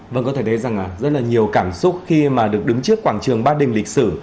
vâng có thể thấy rằng rất là nhiều cảm xúc khi mà được đứng trước quảng trường ba đình lịch sử